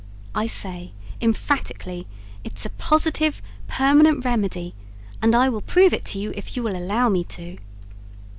I say, emphatically, it a positive, permanent remedy and I will prove it to you if you will allow me to.